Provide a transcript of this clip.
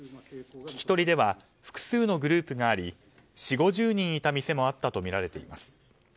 聞き取りでは複数のグループがあり４０５０人いた店もあったとみられています。